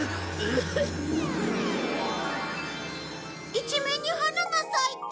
一面に花が咲いた。